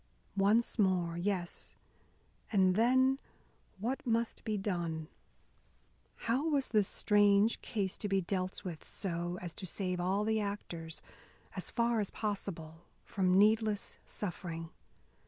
Once more! Yes, and then what must be done? How was this strange case to be dealt with so as to save all the actors, as far as possible, from needless suffering?